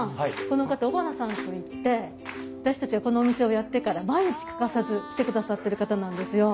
この方尾花さんといって私たちがこのお店をやってから毎日欠かさず来てくださってる方なんですよ。